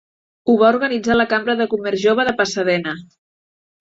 Ho va organitzar la cambra de comerç jove de Pasadena.